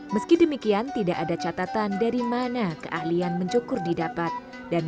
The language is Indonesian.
meski demikian tidak ada catatan dari mana keahlian mencukur didapat dan